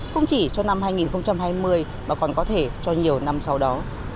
không chỉ cho năm hai nghìn hai mươi mà còn có thể cho nhiều năm sau đó